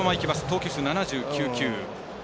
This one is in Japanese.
投球数７９球。